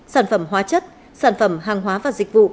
sản phẩm hóa chất sản phẩm hàng hóa và dịch vụ